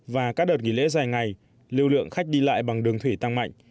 và các đợt nghỉ lễ dài ngày lưu lượng khách đi lại bằng đường thủy tăng mạnh